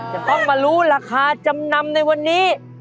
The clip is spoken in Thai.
จะต้องมารู้ราคาจำนำในวันนี้